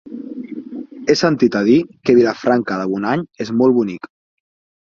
He sentit a dir que Vilafranca de Bonany és molt bonic.